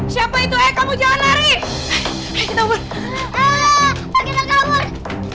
siapa itu eh kamu jangan lari